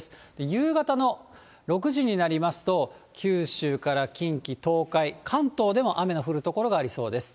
夕方の６時になりますと、九州から近畿、東海、関東でも雨の降る所がありそうです。